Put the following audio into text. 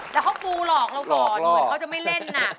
แล้วเขาปูหลอกเราก่อนเหมือนเขาจะไม่เล่นน่ะ